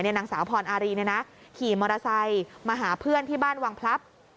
นางสาวพรอารีขี่มอเตอร์ไซค์มาหาเพื่อนที่บ้านวังพลับ